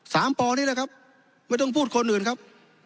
ปอนี่แหละครับไม่ต้องพูดคนอื่นครับ